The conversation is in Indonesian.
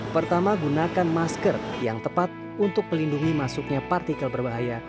pertama gunakan masker yang tepat untuk melindungi masuknya partikel berbahaya